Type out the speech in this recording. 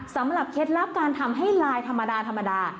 สำหรับเคล็ดลับการทำให้ลายธรรมดา